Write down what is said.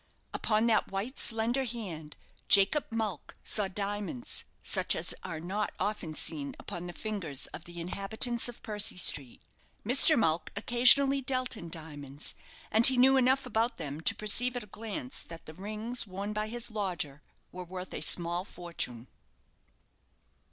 Upon that white, slender hand, Jacob Mulck saw diamonds such as are not often seen upon the fingers of the inhabitants of Percy Street. Mr. Mulck occasionally dealt in diamonds; and he knew enough about them to perceive at a glance that the rings worn by his lodger were worth a small fortune.